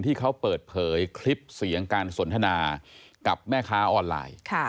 ที่เขาเปิดเผยคลิปเสียงการสนทนากับแม่ค้าออนไลน์